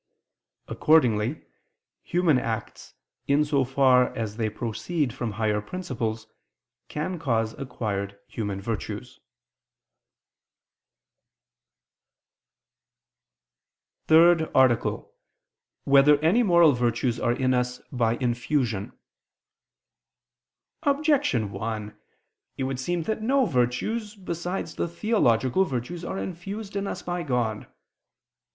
Accordingly human acts, in so far as they proceed from higher principles, can cause acquired human virtues. ________________________ THIRD ARTICLE [I II, Q. 63, Art. 3] Whether Any Moral Virtues Are in Us by Infusion? Objection 1: It would seem that no virtues besides the theological virtues are infused in us by God.